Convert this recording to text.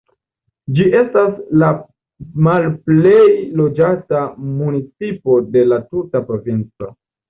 Ĝi estas la malplej loĝata municipo de la tuta provinco.